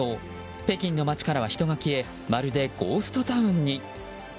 北京の街からは人が消えまるでゴーストタウンに。